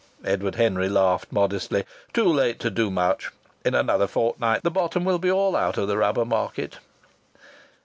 Edward Henry laughed modestly. "Too late to do much! In another fortnight the bottom will be all out of the rubber market."